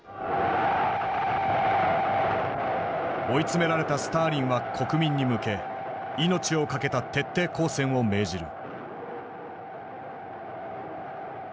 追い詰められたスターリンは国民に向け命を懸けた徹底抗戦を命じる。